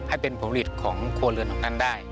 ให้เป็นผลผลิตของครัวเรือนตรงนั้นได้